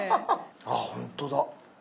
あっほんとだ。